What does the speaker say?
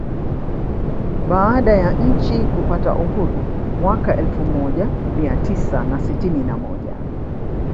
Baada ya nchi kupata Uhuru mwaka elfu moja mia tisa na sitini na moja